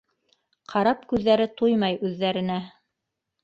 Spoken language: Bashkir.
Ҡарап күҙҙәре туймай үҙҙәренә.